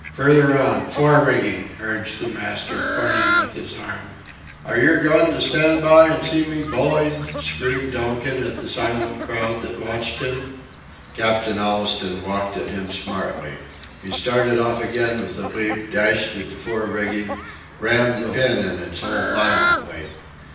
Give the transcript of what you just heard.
"Further on, fore rigging," urged the master, pointing with his arm. "Are yer goin' to stand by and see me bullied?" screamed Donkin at the silent crowd that watched him. Captain Allistoun walked at him smartly. He started off again with a leap, dashed at the fore rigging, rammed the pin into its hole violently.